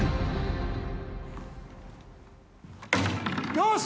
よし！